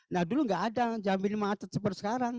nah dulu enggak ada jambi ini macet seperti sekarang